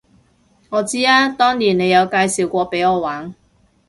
我知啊，當年你有介紹過畀我玩